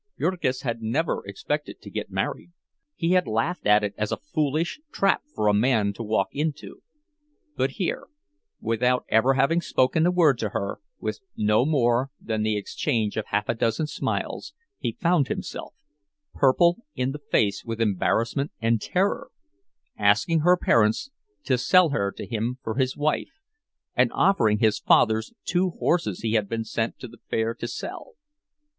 Jurgis had never expected to get married—he had laughed at it as a foolish trap for a man to walk into; but here, without ever having spoken a word to her, with no more than the exchange of half a dozen smiles, he found himself, purple in the face with embarrassment and terror, asking her parents to sell her to him for his wife—and offering his father's two horses he had been sent to the fair to sell.